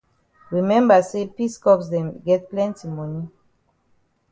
We memba say peace corps dem get plenti moni.